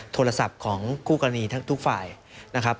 โทรศัพท์ของคู่กรณีทั้งทุกฝ่ายนะครับ